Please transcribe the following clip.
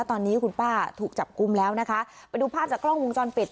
ตอนนี้คุณป้าถูกจับกุมแล้วนะคะไปดูภาพจากกล้องวงจรปิด